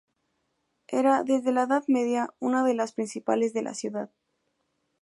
Era, desde la Edad Media, una de las principales de la ciudad.